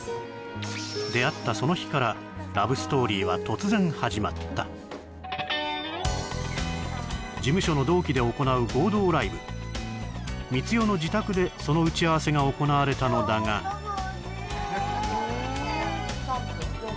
出会ったその日から事務所の同期で行う合同ライブ光代の自宅でその打ち合わせが行われたのだがえっ！？